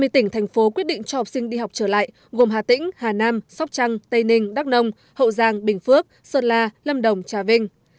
ba mươi tỉnh thành phố quyết định cho học sinh đi học trở lại gồm hà tĩnh hà nam sóc trăng tây ninh đắk nông hậu giang bình phước sơn la lâm đồng trà vinh